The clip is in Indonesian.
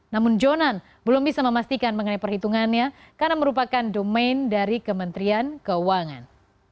namun jonan belum bisa memastikan mengenai perhitungannya karena merupakan domain dari kementerian keuangan